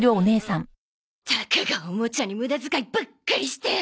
たかがおもちゃに無駄遣いばっかりして！